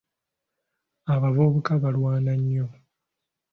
Abavubuka balwana nnyo.